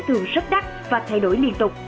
thường sấp đắt và thay đổi liên tục